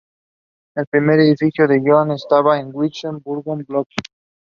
El primer edificio de la yeshivá estaba en Williamsburg, Brooklyn.